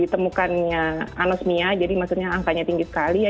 ditemukannya anosmia jadi maksudnya angkanya tinggi sekali ya